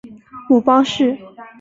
母包氏。